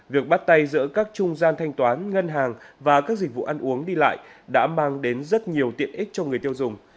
việc bắt tay giữa các trung gian thanh toán ngân hàng và các dịch vụ ăn uống đi lại đã mang đến rất nhiều tiện ích cho người tiêu dùng